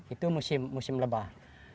itu musim lebah